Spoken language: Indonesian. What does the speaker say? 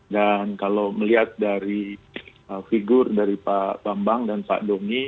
dan kalau melihat dari figur dari pak bambang dan pak dongi